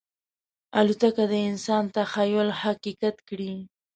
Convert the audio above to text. الوتکه د انسان تخیل حقیقت کړی.